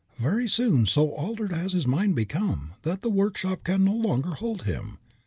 Very soon so altered has his mind become that the workshop can no longer hold him.